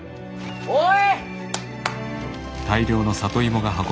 おい！